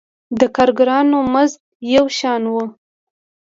د کارګرانو مزد یو شان و.